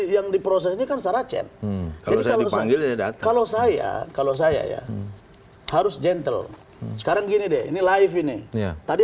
yang diproseskan saracen kalau saya kalau saya harus gentle sekarang gini deh ini live ini tadi